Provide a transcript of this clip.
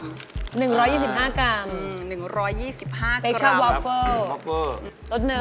แล้วก็เฟรชัลวาเฟิลล์